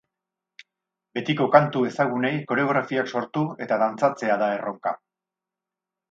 Betiko kantu ezagunei koreografiak sortu eta dantzatzea da erronka.